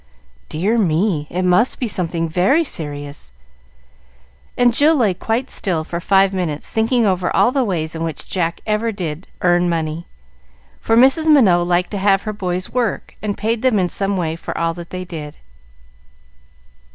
"Dear me; it must be something very serious." And Jill lay quite still for five minutes, thinking over all the ways in which Jack ever did earn money, for Mrs. Minot liked to have her boys work, and paid them in some way for all they did.